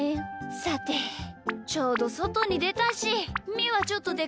さてちょうどそとにでたしみーはちょっとでかけてくるね。